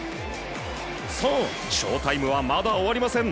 ショウタイムはまだ終わりません。